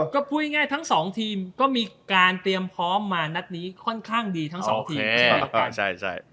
ก็พูดง่ายทั้งสองทีมก็มีการเตรียมพร้อมมานัดนี้ค่อนข้างดีทั้งสองทีม